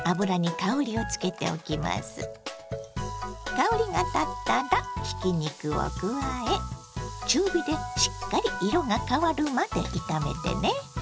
香りがたったらひき肉を加え中火でしっかり色が変わるまで炒めてね。